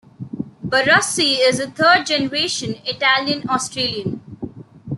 Barassi is a third generation Italian Australian.